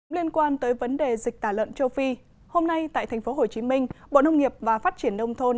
liên quan tới vấn đề dịch tả lợn châu phi hôm nay tại tp hcm bộ nông nghiệp và phát triển nông thôn